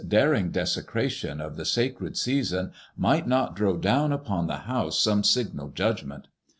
135 daring desecration of the sacred season might not draw down upon the house some signal judgment.